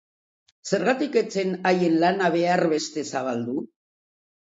Zergatik ez zen haien lana behar beste zabaldu?